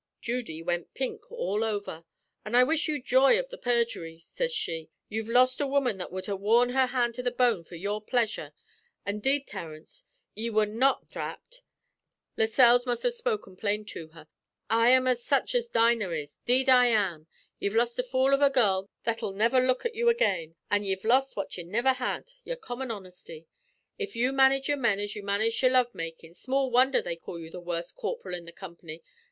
"Judy wint pink all over. 'An' I wish you joy av the perjury,' sez she. 'You've lost a woman that would ha' wore her hand to the bone for your pleasure; an' 'deed, Terence, ye were not thrapped.' ... Lascelles must ha' spoken plain to her. 'I am as such as Dinah is 'deed I am! Ye've lost a fool av a girl that'll never look at you again, an' ye've lost what ye niver had your common honesty. If you manage your men as you manage your love makin', small wondher they call you the worst corp'ril in the comp'ny.